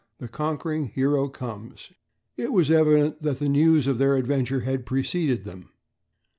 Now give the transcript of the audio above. The Conquering Hero Comes!" It was evident that the news of their adventure had preceded them.